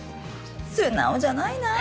素直じゃないな。